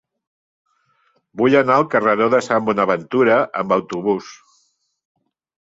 Vull anar al carreró de Sant Bonaventura amb autobús.